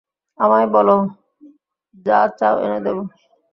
আমায় বলো, যা চাও এনে দেবো।